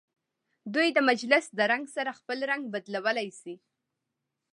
دوی د مجلس د رنګ سره خپل رنګ بدلولی شي.